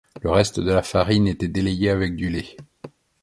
Le reste de la farine était délayé avec du lait.